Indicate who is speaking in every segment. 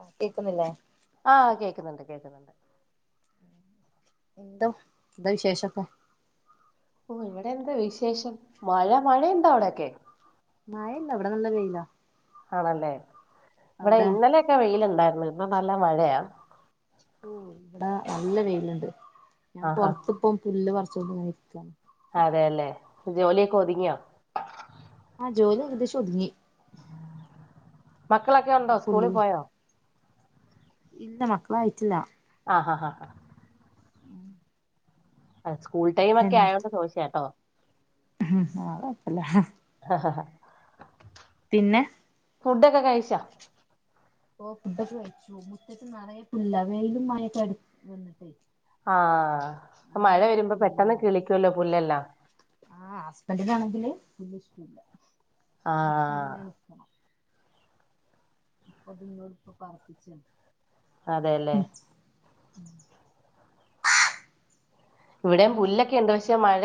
Speaker 1: ആ കേക്കുന്നില്ലേ
Speaker 2: ആ കേൾക്കുന്നുണ്ട് കേൾക്കുന്നുണ്ട്
Speaker 1: എന്ത് എന്താ വിശേഷൊക്കെ
Speaker 2: ഓ ഇവിടെ എന്ത് വിശേഷം മഴ മഴയുണ്ടോ അവിടെയൊക്കെ
Speaker 1: മഴഇല്ലാ ഇവിടെ നല്ല വെയിലാ
Speaker 2: ആണല്ലേ ഇവിടെ
Speaker 1: അവിടെ
Speaker 2: ഇന്നലെ ഒക്കെ വെയിലുണ്ടായിരുന്നു. ഇന്ന് നല്ല മഴയാ
Speaker 1: ഉം ഇവിടെ നല്ല വെയിലുണ്ട്
Speaker 2: ആഹാ
Speaker 1: പുറത്ത് ഇപ്പോ ഫുള്ള [unintelligible] [unintelligible]
Speaker 2: അതെയല്ലേ ജോലിയൊക്കെ ഒതുങ്ങിയോ
Speaker 1: ആ ജോലി ഏകദേശം ഒതുങ്ങി
Speaker 2: മക്കളൊക്കെ
Speaker 1: അപ്പൊ
Speaker 2: ഉണ്ടോ സ്കൂളിൽ
Speaker 1: പുല്ല്
Speaker 2: പോയോ
Speaker 1: ഇല്ല മക്കളെ അയച്ചില്ല
Speaker 2: ആഹ്
Speaker 1: [inaudible]
Speaker 2: [unintelligible] സ്കൂൾ ടൈം ഒക്കെ ആയോണ്ട് ചോദിച്ചതാ കേട്ടോ
Speaker 1: ആ കുഴപ്പമില്ല
Speaker 2: ആ
Speaker 1: പിന്നെ
Speaker 2: ഫുഡ് ഒക്കെ കഴിച്ചോ
Speaker 1: ഓ ഫുഡൊക്കെ കഴിച്ചു മുറ്റത്ത് നിറയെ പുല്ലാ [unintelligible]
Speaker 2: ആ ഇപ്പോ മഴ വരുമ്പോ പെട്ടെന്ന്
Speaker 1: പുല്ലാണ്
Speaker 2: കിളിക്കുമല്ലോ പുല്ലെല്ലാം
Speaker 1: ആ ഹസ്ബന്റിനാണെങ്കിൽ വൃത്തിയില്
Speaker 2: ആഹ്
Speaker 1: [unintelligible] അപ്പൊ പിന്നെ ഓളിപ്പോ പ്രാർത്ഥിച്ചാണ്
Speaker 2: അതെല്ലേ
Speaker 1: [unintelligible]
Speaker 2: ഇവിടേം
Speaker 1: പിന്നെ
Speaker 2: പുല്ലൊക്കെയുണ്ട്
Speaker 1: എന്തൊക്കെയാ
Speaker 2: പക്ഷെ മഴ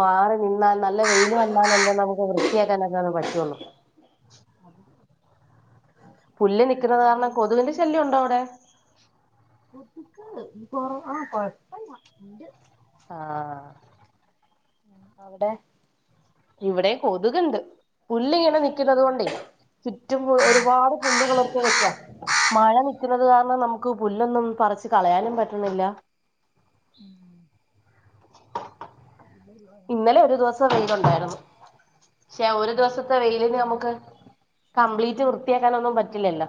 Speaker 2: മാറിനിന്നാൽ നല്ല വെയില് വന്നാലല്ലേ നമ്മക്ക് വൃത്തിയാക്കാനൊക്കെ പറ്റൊള്ളു
Speaker 1: അത്
Speaker 2: പുല്ല് നിക്കുന്നത്
Speaker 1: ഇവിടെ
Speaker 2: കാരണം
Speaker 1: ഇതന്
Speaker 2: കൊതുകിന്റെ ശല്യം ഉണ്ടോ അവിടെ? [unintelligible]
Speaker 1: ക് കൊറവാ കൊഴപ്പല്ല ണ്ട്‌
Speaker 2: ആ
Speaker 1: അവ്ടെ
Speaker 2: ഇവിടേം കൊതുക്ണ്ട്‌ പുല്ലിങ്ങനെ നിക്കുന്നത് കൊണ്ടെയ് മിറ്റം ഒരുപാട് പുല്ലുകളൊക്കെ വെക്ക മഴ നിക്കുന്നത് കാരണം നമ്മുക്ക് പുല്ലൊന്നും പറിച്ച് കളയാനും പറ്റുന്നില്ല
Speaker 1: [unintelligible]
Speaker 2: ഇന്നലെ ഒരു ദിവസം വെയിലുണ്ടായിരുന്നു ക്ഷേ ഒരു
Speaker 1: ഏഹ്
Speaker 2: ദിവസത്തെ വെയിലിന് നമ്മക്ക് കംപ്ലീറ്റ് വൃത്തിയാക്കാനൊന്നും പറ്റില്ലല്ലോ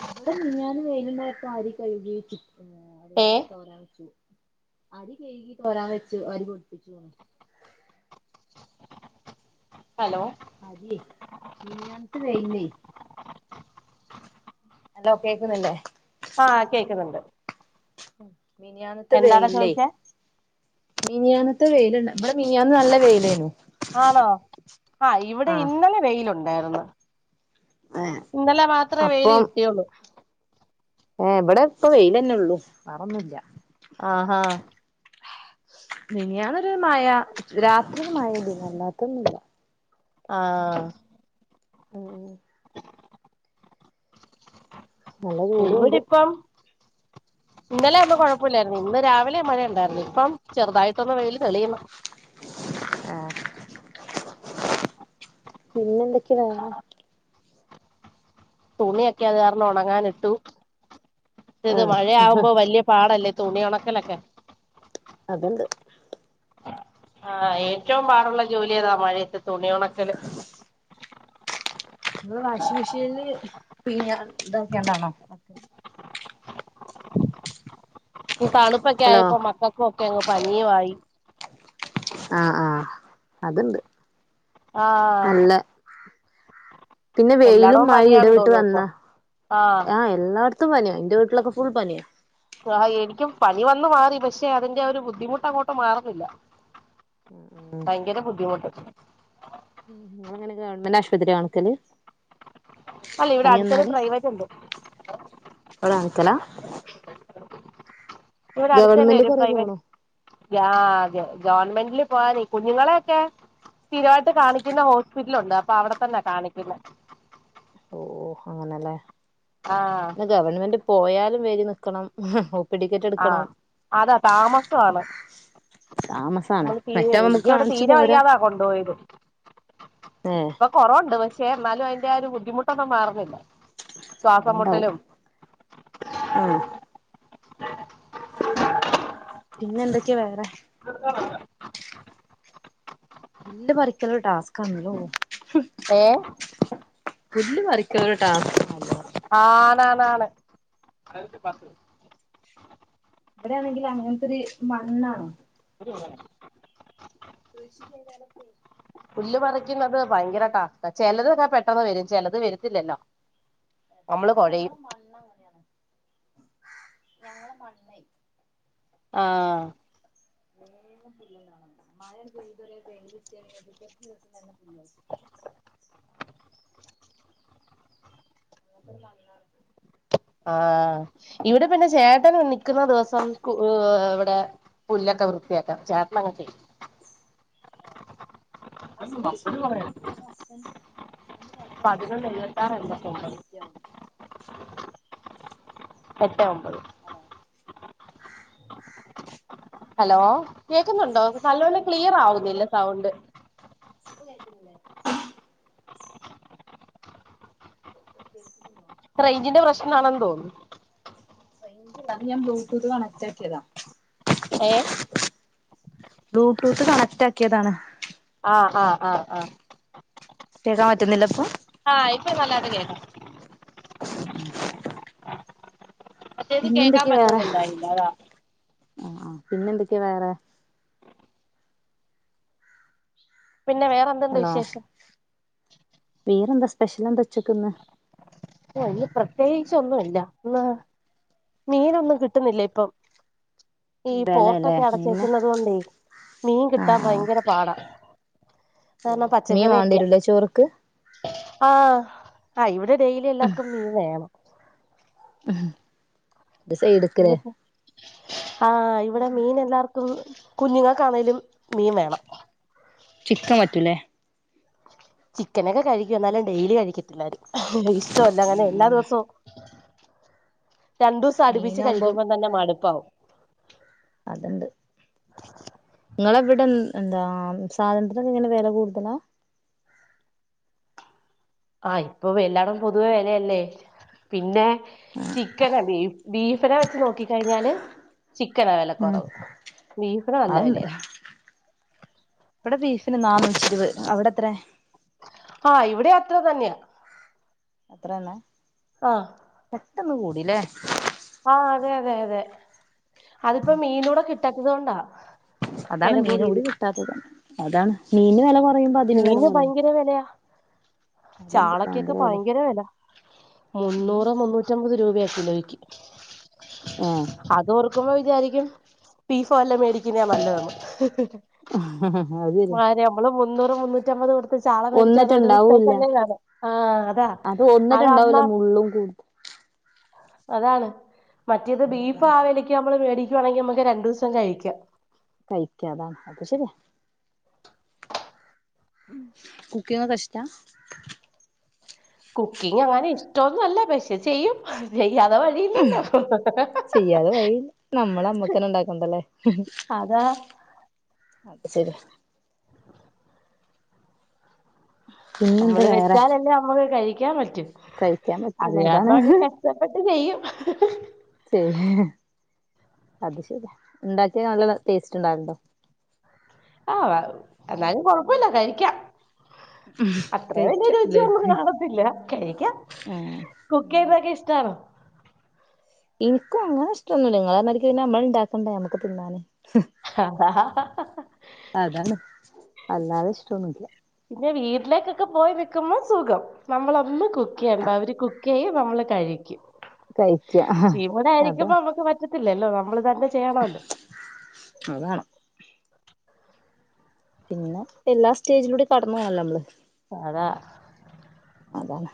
Speaker 1: ഇവ്ടെ മിനിഞ്ഞാന്ന് വൈകുന്നേരം വാരി കഴുകി വച്ചു അരി
Speaker 2: ഏ
Speaker 1: കഴുകി തോരാൻ വച്ചു അരി കഴുകി തോരാൻ വച്ചു അരി പൊടിപ്പിച്ചു ന്നു
Speaker 2: ഹലോ
Speaker 1: അരിയേയ് മിനിഞ്ഞാന്നത്തെ വെയിലിനെയ് ഹലോ കേൾക്കുന്നില്ലേ
Speaker 2: ആ കേക്കുന്നുണ്ട്
Speaker 1: മിൻഞ്ഞാന്നത്തെ
Speaker 2: എന്താടാ
Speaker 1: വെയിലിനെയ്
Speaker 2: ചോദിച്ചേ
Speaker 1: മിനിഞ്ഞാന്ന ത്തെ വെയില് ബ്ബടെ മിൻഞ്ഞാന്ന് നല്ല വെയിലെയ്നു
Speaker 2: ആണോ ആ ഇവടെ ഇന്നലെ വെയിലുണ് ണ്ടായിർന്നു
Speaker 1: ഏഹ്
Speaker 2: ഇന്നലെ മാത്രേ വെയില് കിട്ടിയുള്ളൂ
Speaker 1: ഏ ബടെ പ്പൊ വെയിലെന്നുള്ളു വേറൊന്നുല്ല
Speaker 2: ആ ഹാ
Speaker 1: മിനിഞ്ഞാന്നൊരു മയ രാത്രിയി മയ [unintelligible] അല്ലാത്ത ഒന്നുല്ല
Speaker 2: ആ
Speaker 1: മ്മ് നല്ല ചൂടും ഉണ്ട്
Speaker 2: ഉള്ളൂരിപ്പം ഇന്നലെയാവുമ്പോ കുഴപ്പല്ലായിർന്നു ഇന്ന് രാവിലെ മഴ ണ്ടായിർന്നു പ്പം ചെറുതായ്ട്ടൊന്ന് വെയില് തെളിയുന്നു
Speaker 1: ആ പിന്നെന്തൊ ക്കെ വേറെ
Speaker 2: തുണിയൊക്കെ അത് കാരണം ഉണങ്ങാനിട്ടു അതേദേ
Speaker 1: ആഹ്
Speaker 2: മഴയാകുമ്പോ വലിയ പാടല്ലേ തുണിയുണക്കലൊക്കെ
Speaker 1: അതുണ്ട്.
Speaker 2: ആ.. ഏറ്റവും പാടുള്ള ജോലിയതാ മഴയത്ത് തുണിയുണക്കല്,
Speaker 1: നമ്മള്‌വാഷിംഗ് മെഷീനില് പിഴിഞ്ഞ ഇതൊക്കൊ ണ്ടാണോ ഹലോ
Speaker 2: തണുപ്പൊക്കെയായപ്പോ മക്കൾക്കുവൊക്കെയങ്ങു, പനിയുമായി
Speaker 1: അ... ആ.. അതുണ്ട്
Speaker 2: ആഹ്
Speaker 1: നല്ല, പിന്നെ
Speaker 2: എല്ലായിടവും പനിയാണെന്ന്
Speaker 1: വെയിലുംമഴയുമിടവിട്ട്
Speaker 2: തോന്നുന്നു ഇപ്പൊ
Speaker 1: വന്നാ,
Speaker 2: ആഹ്
Speaker 1: ആ.. എന്നോർ ത്തും പനിയായെന്റെ വീട്ടിലൊക്കെഫുൾ പനിയാ
Speaker 2: ആ എനിക്ക് പനിവന്നു മാറി പക്ഷേയതിന്റെ ആ ഒരു ബുദ്ധിമുട്ട് അങ്ങോട്ടു മാറുന്നില്ല. ഭയങ്കരബുദ്ധിമുട്ട്
Speaker 1: നിങ്ങളിങ്ങനെ ഗവൺമെന്റാശുപത്രിയാകാണിക്കല്
Speaker 2: അല്ല ഇവിടെയടുത്തൊരു പ്രൈവറ്റുണ്ട്.
Speaker 1: അവിടെ [unintelligible]
Speaker 2: ഇവിടെയടുത്തുതന്നെ
Speaker 1: ഗവൺമെന്റ് കൊറേ
Speaker 2: ഒരുപ്രൈവറ്റ്,
Speaker 1: പോണോ
Speaker 2: ആ.. അതെ ഗവൺമെന്റില് പോകാന് കുഞ്ഞുങ്ങളെയൊക്കെ സ്ഥിരമായിട്ട് കാണിക്കുന്ന ഹോസ്പിറ്റലുണ്ടപ്പൊ അവിടെ തന്നെ കാണിക്കുന്നെ
Speaker 1: ഓ.. ഓ..
Speaker 2: ആഹ്
Speaker 1: അങ്ങനെയല്ലേ ഗവൺമെന്റിൽ പോയാലും വരി നിൽക്കണം
Speaker 2: ആ.. അതാതാമസമാണ്
Speaker 1: താമസാണ്
Speaker 2: നമ്മള്തീരെ
Speaker 1: മറ്റാവുമ്പോ നമുക്ക്
Speaker 2: എനിക്കിവിട
Speaker 1: കാണിച്ചു പോരാ
Speaker 2: തീരെവയ്യാതാ, കൊണ്ടു പോയത്. ഇപ്പൊ കൊറവുണ്ട് പക്ഷേ പക്ഷേ, എന്നാലും അതിന്റെ ആയൊരുബുദ്ധിമുട്ടൊന്നും മാറുന്നില്ല
Speaker 1: അതുണ്ടാവും
Speaker 2: ശ്വാസംമുട്ടലും
Speaker 1: ആഹ് പിന്നെയെന്തൊക്കെയാ വേറെ
Speaker 2: [inaudible]
Speaker 1: പുല്ല് പറിക്കലൊരു ടാസ്കാണല്ലോ
Speaker 2: ഏ..
Speaker 1: പുല്ല് പറിക്കലൊരു ടാസ്ക്കാണല്ലോ
Speaker 2: ആ.. ആണാണാണ്
Speaker 1: ഇവിടെയാണെങ്കില് അങ്ങനത്തൊരു മണ്ണാണ്.
Speaker 2: [unintelligible]
Speaker 1: കൃഷിക്ക് എല്ലായിടത്തും
Speaker 2: പുല്ല് പറിക്കുന്നത് ഭയങ്കര ടാസ്ക്കാ. ചിലതൊക്കെ പെട്ടെന്നുവരും, ചിലത് വരത്തില്ലല്ലോ നമ്മള്
Speaker 1: [unintelligible]
Speaker 2: കുഴയും
Speaker 1: ഞങ്ങളെ മണ്ണേ
Speaker 2: ആ
Speaker 1: [unintelligible] [unintelligible] [unintelligible]
Speaker 2: ആഹ് ഇവിടെ പിന്നെ ചേട്ടൻ നിക്കുന്ന ദിവസം കു ഇവിടെ പുല്ലൊക്കെ വൃത്തിയാക്കാം
Speaker 1: ഹസ്ബൻഡ് ചെയ്തരും പക്ഷെ ഹസ്ബൻഡ് ഹസ്ബൻഡ് പറയണയെന്താന്ന്ച്ച
Speaker 2: പതിനൊന്ന്
Speaker 1: ഞാൻ അധികം
Speaker 2: എഴുപത്താറ്
Speaker 1: ചെയ്ത എനിക്ക്
Speaker 2: എൺപത്തൊമ്പത്
Speaker 1: മടിയൊക്ക ആവും
Speaker 2: എട്ടേ, ഒമ്പത്
Speaker 1: അതാണ്
Speaker 2: ഹലോ കേക് കേൾക്കുന്നോണ്ടോ നല്ലോണം ക്ലിയർ അവുന്നില്ല സൗണ്ട്
Speaker 1: ഇപ്പൊ കേക്കുന്നില്ലേ [unintelligible] കേൾക്കുന്നുണ്ടോ
Speaker 2: ആ ഇതിന്റെ പ്രശ്നം ആണെന്ന് തോന്നുന്നു
Speaker 1: [unintelligible] അത് ഞാൻ ബ്ലൂട്ടൂത് കണക്ട് ആകിയതാ
Speaker 2: ഏഹ്
Speaker 1: ബ്ലൂട്ടൂത് കണക്ട് ആക്കിയതാണ്
Speaker 2: ആ ആ ആ ആ
Speaker 1: കേൾക്കാൻ പറ്റുന്നില്ല ഇപ്പൊ
Speaker 2: ആ ഇപ്പൊ നല്ലയായിട്ട് കേൾക്കാം മറ്റേത് കേൾക്കാൻ
Speaker 1: പിന്നെന്തൊക്കെയാ വേറെ
Speaker 2: പറ്റാനുണ്ടായില അതാ
Speaker 1: പിന്നെന്തൊക്കെയാ വേറെ
Speaker 2: പിന്നെ വേറെന്തുണ്ട്
Speaker 1: ഹലോ
Speaker 2: വിശേഷം
Speaker 1: വേറെന്താ സ്പെഷ്യലെന്താ ഉച്ചക്കിന്ന്
Speaker 2: ഓ ഇന്ന് പ്രേതേകിച്ചൊന്നില്ല ഇന്ന് മീൻ ഒന്നും കിട്ടുന്നില്ല ഇപ്പം ഈ
Speaker 1: ബേലല്ലേ
Speaker 2: പോർട്ടൊക്കെ
Speaker 1: മീന്
Speaker 2: അടിച്ചേക്കുന്നതുക്കൊണ്ടേ മീൻ കിട്ടാൻ ഭയങ്കര പാട
Speaker 1: മീൻവേണ്ടിവരുല്ലേ ചോറിക്ക്
Speaker 2: ആ ഇവിടെ ഡെ ക്ക് മീൻ വേണം
Speaker 1: ഹം ഇത് ചെയ്തിക്കിണ്
Speaker 2: ആ ഇവിടെ മീൻ എല്ലാർ കുഞ്ഞിങ്ങക്കാണേലും മീൻ വേണം
Speaker 1: ചിക്കൻ പറ്റൂല്ലേ
Speaker 2: ചിക്കനൊക്കെ കഴിക്കും എന്നാലും ഡെയിലി കഴിക്കത്തില്ല അവര് [unintelligible] ഇഷ്ടവല്ല അങ്ങനെ എല്ലാദിവസവും രണ്ട് ദിവസം അടിപ്പിച്ചു കഴിക്കുമ്പോൾ തന്നെ മടുപ്പ് ആവും
Speaker 1: അതൊണ്ട് നിങ്ങളെ എന്താ സാധനത്തിന് ഒക്കെ ഇങ്ങനെ വില കൂട്ടണെ
Speaker 2: ആ ഇപ്പോ എല്ലാടവും പൊതുവെ വില അല്ലേ പിന്നെ ചിക്കനാ ബീ ബീഫിനെ വെച്ച് നോക്കി കഴിഞ്ഞാല് ചിക്കനാ വില
Speaker 1: ഉം
Speaker 2: കുറവ് ബീഫിന് നല്ല
Speaker 1: അതുണ്ട്
Speaker 2: വിലയാ
Speaker 1: ഇവിടെ ബീഫിന് [unintelligible] അവിടെ എത്രയാ
Speaker 2: ആഹ് ഇവിടെയും അത്ര തന്നയാ
Speaker 1: അത്ര തന്നെ
Speaker 2: ആ
Speaker 1: പെട്ടെന്ന് കൂടിയല്ലേ
Speaker 2: അതെ അതെ അതിപ്പോ മീനൂടെ കിട്ടാ അതോണ്ടാ
Speaker 1: അതാണ് മീനൂടി കിട്ടാത്തത് അതാണ് മീന്റെ വെലകൊറ
Speaker 2: മീന് ഭയങ്കര വിലയാ ചാളക്കക്ക ഭയങ്കര വില മുന്നൂറ് മുന്നൂറ്റി അൻപത് രൂപയാ കിലോയ്ക്ക്
Speaker 1: ആഹ്
Speaker 2: അത് ഓർക് അപ്പോ [unintelligible] വിചാരിക്കും ബീഫോ വല്ലോം മേടിക്കുന്നതാ നല്ലതന്ന്
Speaker 1: ഇഹ്‌ഹാ
Speaker 2: മാര അമ്മള്പോ മുന്നൂറ് മുന്നൂറ്റി അൻപത് കൊടുത്ത് ചാള മേടിച്ചാൽ
Speaker 1: ഒന്നിട്ട്
Speaker 2: ഒരു ദിവസത്തേക്ക്
Speaker 1: ഉണ്ടാവൂല്ല
Speaker 2: അല്ലേ കാണു ആഹ് അതാ
Speaker 1: ഒന്നിട്ട്
Speaker 2: അത് അമ്മ
Speaker 1: ഉണ്ടാവൂല്ല മുള്ളും കൂടും
Speaker 2: അതാണ് മറ്റേത് ബീഫ്
Speaker 1: അതാണ്
Speaker 2: ആ വിലക്ക് നമ്മള് വേടി താണെങ്കി നമുക്ക് രണ്ട് ദിവസം കഴിക്കാം
Speaker 1: കഴിക്കാ അതാണ് അത് ശരിയാ കുക്ക് ചെയ്യുന്നത് ഇഷ്‌ടാ
Speaker 2: കുക്കിംഗ് അങ്ങനെ ഇഷ്ട്ടൊന്നുഅല്ല പക്ഷെ ചെയ്യും ചെയ്യാതെ വഴിയില്ലല്ലോ
Speaker 1: ചെയ്യാതെ വഴി ഇല്ല നമ്മള് നമ്മുക്ക് തന്നെ ഇണ്ടാക്കണ്ടല്ലേ ഹ് ഹ്
Speaker 2: അതാ
Speaker 1: അപ്പോ ശരി പിന്നെന്താ
Speaker 2: നമ്മള്
Speaker 1: വേറെ
Speaker 2: വെച്ചാലല്ലേ നമ്മള് കഴി [inaudible] റ്റും
Speaker 1: കഴിക്കാൻ
Speaker 2: അത്
Speaker 1: പറ്റുള്ളൂ അതാണ്
Speaker 2: കാരണം അങ്ങ് കഷ്ടപ്പെട്ട് ചെയ്യും ഹ്ഹ
Speaker 1: ശരി അത് ശര്യാ ഉണ്ടാക്യ നല്ല ടേസ്റ്റ് ഉണ്ടാവലുണ്ടോ?
Speaker 2: ആ എന്നാലും കൊഴപ്പൂല കഴിക്കാം അത്ര വലിയ
Speaker 1: കഴിക്കാം ല്ലേ
Speaker 2: രുചിയൊന്നും കാണത്തില്ല കഴിക്കാം
Speaker 1: ആഹ് ഉം
Speaker 2: കുക്കെയ്യുന്നതൊക്കെ ഇഷ്ടാണോ
Speaker 1: എനിക്കും അങ്ങനെ ഇഷ്ടൊന്നുല്ല നിങ്ങൾ പറഞ്ഞ മാതിരിക്ക് നമ്മള് ഇണ്ടാക്കണ്ടേ നമ്മുക്ക് തിന്നാനെ
Speaker 2: ഹഹഹഹഹഹ
Speaker 1: അതാണ് അല്ലാതെ ഇഷ്ടൊന്നൂല
Speaker 2: പിന്നെ വീട്ടിലേക്കൊക്കെ പോയി നിൽക്കുമ്പോ സുഖം നമ്മൾ നമ്മള് കുക്ക് ചെയ്യണ്ട അവര് കുക്ക് ക്കെയ്യും നമ്മള് കഴിക്കും
Speaker 1: കഴിക്ക ഹ് അതെ
Speaker 2: ത്തില്ലല്ലോ നമ്മള് തന്നെ ചെയ്യണോലോ?
Speaker 1: അതാണ് പിന്നെ എല്ലാ സ്റ്റേജിലൂടെ കടന്നു പോണല്ലോ നമ്മള്
Speaker 2: അതാ
Speaker 1: അതാണ്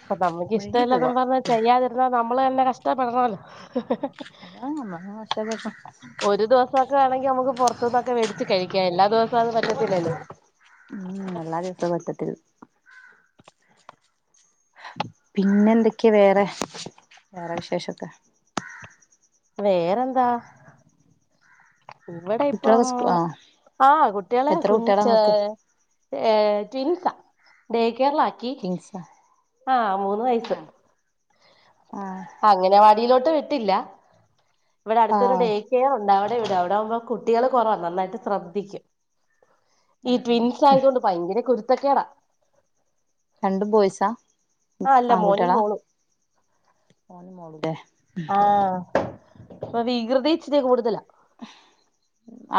Speaker 2: അപ്പ നമ്മുക്ക്
Speaker 1: കൊഴഞ്ഞു
Speaker 2: ഇഷ്ടല്ലാന്നും
Speaker 1: പോവാ
Speaker 2: പറഞ്ഞ് ചെയ്യാതിരുന്നാ നമ്മ നമ്മളന്നെ കഷ്ടപ്പെടണല്ലോ?
Speaker 1: അതാണ് നമ്മളെ മോശവശം
Speaker 2: ഒരു ദിവസൊക്കെ ആണെങ്കിൽ നമ്മുക്ക് പുറത്തുന്നൊക്കെ വേടിച്ച് കഴിക്ക എല്ലാ ദിവസവും അത് പറ്റത്തില്ലല്ലോ?
Speaker 1: ഉം എല്ലാ ദിവസവും പറ്റത്തില്ല പിന്നെ എന്തൊക്കെയാ വേറെ വേറെ വിശേഷൊക്കെ?
Speaker 2: വേറെന്താ ഇവിടെ ഇപ്പം
Speaker 1: കുട്ടികളൊക്കെ സ്കൂ ആഹ്
Speaker 2: ആ കുട്ടികളെ
Speaker 1: എത്ര
Speaker 2: കുഞ്ഞി
Speaker 1: കുട്ടികളാ
Speaker 2: ചെ
Speaker 1: ഇങ്ങക്ക്
Speaker 2: ഏ ട്വിൻസാ ഡെ കെയറിലാക്കി
Speaker 1: ട്വിൻസാ
Speaker 2: ആഹ് മൂന്ന് വയസ്
Speaker 1: ആഹ് ആഹ്
Speaker 2: അംഗനവാടിയിലോട് ത്ത് വിട്ടില്ല ഇവിടെ അടുത്തൊരു ഡേ
Speaker 1: ആഹ്
Speaker 2: കെയറുണ്ടാ അ ഇവിടെ അവിടെ ആവുമ്പോ കുട്ടികള് കുറവാ നന്നായിട്ട് ശ്രദ്ധിക്കും ഈ
Speaker 1: ഉം ഉം
Speaker 2: ട്വിൻസ് ആയതോണ്ട് ഭയങ്കര കുരുത്ത കുരുത്തക്കേട്
Speaker 1: രണ്ടും ബോയ്സാ
Speaker 2: അല്ല മോനും
Speaker 1: ആൺകുട്ടികളാ
Speaker 2: മോളും
Speaker 1: മോനും മോളുംല്ലേ?
Speaker 2: ആ ഇപ്പോ വികൃതി ഇച്ചിരി കൂടൂതല.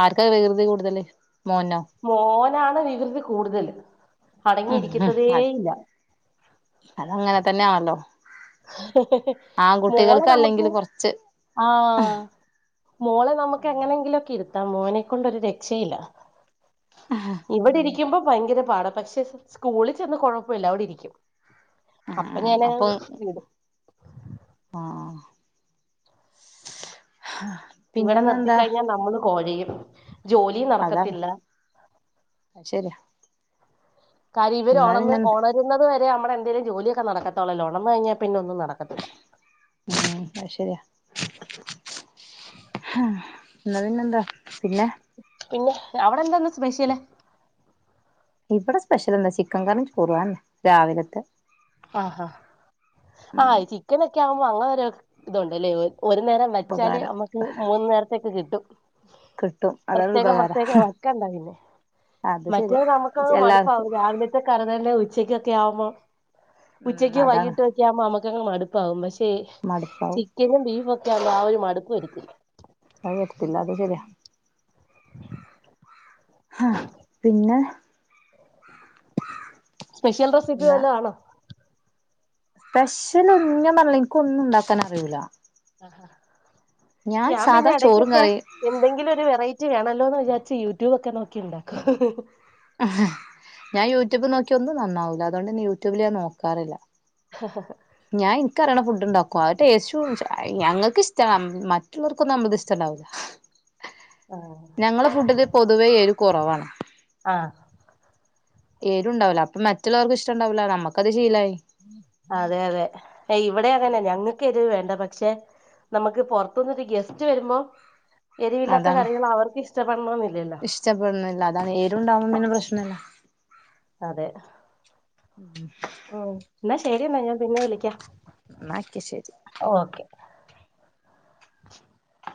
Speaker 1: ആർക്കാ വികൃതി കൂടുതല് മോനോ
Speaker 2: മോൻ നാണ് വികൃതി കൂടുതല്. അടങ്ങി
Speaker 1: ഉം ഉം
Speaker 2: ഇരിക്കത്തതേ
Speaker 1: അത്
Speaker 2: ഇല്ല.
Speaker 1: അതങ്ങനെ തന്നെ ആണല്ലോ
Speaker 2: മോളെ
Speaker 1: ആൺകുട്ടികൾക്ക്
Speaker 2: നമക്ക്
Speaker 1: അല്ലെങ്കിൽ കൊറച്ച്
Speaker 2: ആ മോളെ നമക്ക് എങ്ങനെ എങ്കിലും ഒക്കെ ഇരു ത്ത മോനെ കൊണ്ട് ഒരു രക്ഷേം ഇല്ല. ഇവിടെ
Speaker 1: ഉം
Speaker 2: ഇരിക്കുമ്പോ ഭയങ്കര പാട പക്ഷെ സ് സ്കൂളിൽ ചെന്ന് കൊഴപ്പില്ല അവിടിരിക്കും. അപ്പം
Speaker 1: ആഹ്
Speaker 2: ഞാന്
Speaker 1: അപ്പൊ ആഹ്
Speaker 2: ഇവിടെ നിർത്തി
Speaker 1: പിന്നെന്നെന്താ
Speaker 2: കഴിഞ്ഞ നമ്മള് കൊഴയും. ജോലിയും
Speaker 1: അതാണ്
Speaker 2: നടക്കത്തില്ല
Speaker 1: അത് ശരിയാ
Speaker 2: കാര്യം ഇവര്
Speaker 1: എന്നാ
Speaker 2: ഒണന്ന്
Speaker 1: പിന്നെ
Speaker 2: ഒണരുന്നത് വ രെ നമ്മളെ എന്തേലും ജോലിയൊക്കെ നടക്കത്തൊള്ളല്ലോ ഒണർന്നു കഴിഞ്ഞ പിന്നെ ഒ
Speaker 1: ഉം അത് ശെരിയ ഹ ഇന്നാ പിന്നെന്താ പിന്നെ
Speaker 2: പിന്നെ അവിടെ എന്താ ഇന്ന് സ്പെഷ്യല്
Speaker 1: ഇവിടെ സ്പെഷ്യൽ എന്താ ചിക്കൻ കറിം ചോറും അയെന്നെ രാവിലത്തെ
Speaker 2: ആഹാ
Speaker 1: ഉം
Speaker 2: ഓ അങ്ങനെ ഒരു ഇതൊണ്ട് ലെ ഒരു നേരം വച്ചാല്
Speaker 1: ഉപകാരം
Speaker 2: അമ്മക്ക് മൂന്ന് നേരത്തേക്ക് കിട്ടും
Speaker 1: കിട്ടും അതാണ്
Speaker 2: പ്രത്യേകം
Speaker 1: ഉപകാരം
Speaker 2: പ്രത്യേകം വെക്കണ്ട പിന്നെ
Speaker 1: അത്
Speaker 2: മറ്റെ
Speaker 1: ശരിയാ
Speaker 2: നമ്മക്ക് മടുപ്പാവും
Speaker 1: എല്ലാർക്കും
Speaker 2: രാവിലത്തെ കറി തന്നെ ഉ ച്ചക്കത്തെ ആവുമ്പോ
Speaker 1: ഉം
Speaker 2: ഉച്ചക്കും
Speaker 1: അതാണ്
Speaker 2: വൈകീട്ടും ഒക്കെ ആവുമ്പോ നമ്മ ക്കങ്ങ് മടുപ്പാവും പക്ഷേ ക്ഷെ
Speaker 1: മടുപ്പാവും
Speaker 2: ചിക്കനും ബീഫൊ ക്കെ ആവുമ്പോ ആ ഒരു മടുപ്പ് വരത്തില്ല
Speaker 1: അത് വരത്തില്ല അത് ശെരിയ ഹ പിന്നെ
Speaker 2: സ്പെഷ്യൽ റെസിപ്പി
Speaker 1: എന്നാ
Speaker 2: വല്ലോം ആണോ
Speaker 1: സ്പെഷ്യൽ ഒ [unintelligible] ഇൻക്ക് ഒന്നും ണ്ടാക്കാൻ അറിയൂല
Speaker 2: ആഹ് ഹ ഞാൻ പിന്നെ
Speaker 1: സാധാ ചോറും
Speaker 2: എടയ്ക്കൊക്കെ
Speaker 1: കറിയും
Speaker 2: എന്തെങ്കിലും ഒരു വെറൈറ്റി റ്റി വേണല്ലോന്ന് വിചാരിച്ച് യൂട്യൂബ്ക്കെ നോക്കി ണ്ടാക്കും ഹ് ഹ്
Speaker 1: ഹ ഹ് ഞാൻ യൂറ്റ്യൂബ് നോക്കി ഒന്നും നന്നാവൂല്ല അതുകൊണ്ട് ഞാൻ യൂട്യൂബ് നോക്കാറില്ല ഞാൻ ഇൻക്കറിയണെ ഫുഡ്ണ്ടാക്കും അത്ടേസ്റ്റ് ല്ല ഞങ്ങൾക്ക് ഇഷ്ടാ മറ്റുള്ളവർക്കൊന്നും നമ്മളത് ഇഷ്ടമുണ്ടാവൂല്ല ഞങ്ങളെ ഫുഡില് പൊതുവേ എരു കൊറവാണ്
Speaker 2: ആ
Speaker 1: എരുണ്ടാവൂല അപ്പമറ്റുള്ളോര്ക്ക് അത് ഇഷ്ടണ്ടാവൂല നമ്മക്കത് ശീലായി
Speaker 2: അതെ അതെ ഇവിടെ അങ്ങനെയാ ഞങ്ങൾക്ക് എരിവ് വേ ണ്ട പക്ഷേ നമുക്ക് പൊറത്തുന്ന് ഒരു ഗസ്റ്റ് വരുമ്പോൾ
Speaker 1: അതാണ് ഇഷ്ടപ്പെടണന്നില്ല അതാണ് എരു ണ്ടാവുമ്പോ പിന്നെ പ്രശ്നല്ല
Speaker 2: അതെ ഉം ന്നശരിയെന്ന ഞാൻ പിന്നെ വിളിക്കാ
Speaker 1: എന്നാ ഒക്കെ ശരി